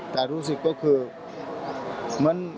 แต่รู้สึกก็คือ